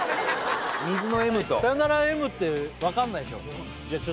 水のＭとさよならＭって分かんないでしょ